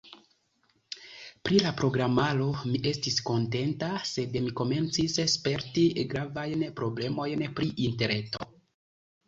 Pri la programaro mi estis kontenta, sed mi komencis sperti gravajn problemojn pri Interreto.